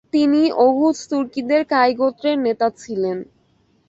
তিনি ওঘুজ তুর্কিদের কায়ি গোত্রের নেতা ছিলেন।